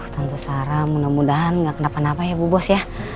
tentu sarah mudah mudahan gak kenapa napa ya bu bos ya